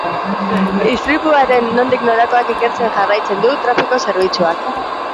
Istripuaren nondik norakoak ikertzen jarraitzen du trafiko zerbitzuak.